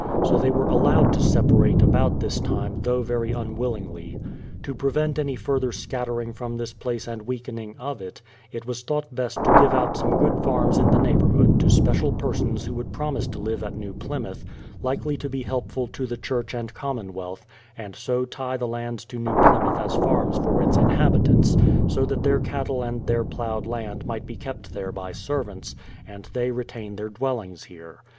So they were allowed to separate about this time though very unwillingly. To prevent any further scattering from this place and weakening of it, it was thought best to give out some good farms in the neighbour hood to special persons who would promise to live at New Plymouth, likely to be helpful to the church and common wealth, and so tie the lands to New Plymouth as farms for its inhabitants, so that their cattle and their ploughed land might be kept there by servants, and they retain their dwell ings here.